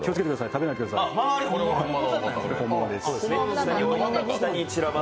食べないでください、本物です。